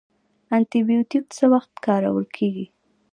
انټي بیوټیک څه وخت کارول کیږي؟